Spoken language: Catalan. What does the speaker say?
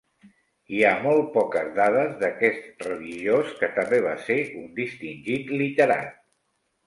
Hi ha molt poques dades d'aquest religiós que també va ser un distingit literat.